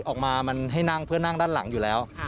ออกมามันให้นั่งเพื่อนั่งด้านหลังอยู่แล้ว